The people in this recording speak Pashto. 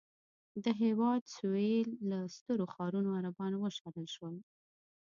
د هېواد سوېل له سترو ښارونو عربان وشړل شول.